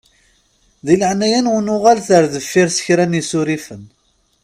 Di leɛnaya-nwen uɣalem ar deffir s kra n isurifen.